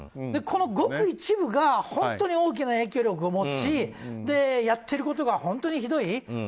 このごく一部が本当に大きな影響力を持つしやっていることが本当にひどい。